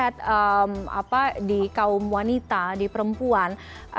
lihat di kaum wanita di perempuan